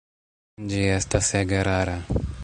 Ĝi estas ege rara.